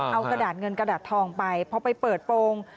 เอากระดาษเงินกระดาษทองไปพอไปเปิดโปรง